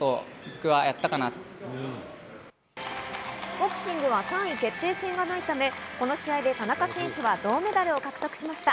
ボクシングは３位決定戦がないため、この試合で田中選手は銅メダルを獲得しました。